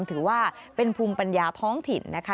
ถือว่าเป็นภูมิปัญญาท้องถิ่นนะคะ